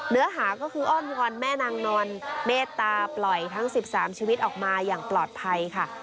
เนื้อหาก็คืออ้อนวอนแม่นางนอนเมตตาปล่อยทั้ง๑๓ชีวิตออกมาอย่างปลอดภัยค่ะ